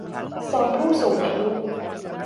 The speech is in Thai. โซนผู้สูงอายุ